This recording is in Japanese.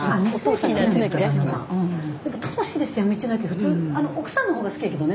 普通奥さんの方が好きやけどね